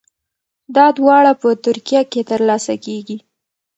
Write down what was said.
دا دواړه په ترکیه کې ترلاسه کیږي.